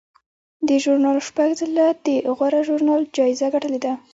دې ژورنال شپږ ځله د غوره ژورنال جایزه ګټلې ده.